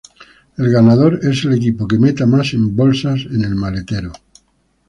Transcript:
El ganador es el equipo que meta más en bolsas en el maletero.